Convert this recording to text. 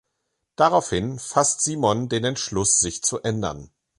Daraufhin fasst Simon den Entschluss, sich zu ändern.